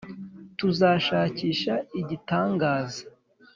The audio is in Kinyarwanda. tuzashakisha igitangaza;